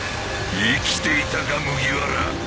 生きていたか麦わら。